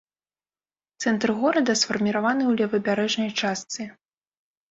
Цэнтр горада сфарміраваны ў левабярэжнай частцы.